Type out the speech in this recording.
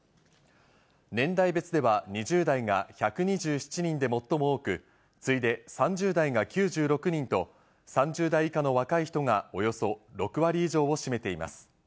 年代別では２０代が１２７人で最も多く、次いで３０代が９６人と、３０代以下の若い人がおよそ６割以上を占めています。